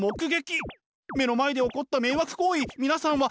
目の前で起こった迷惑行為皆さんはどうします？